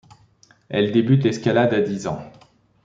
Elle débute l'escalade à dix ans.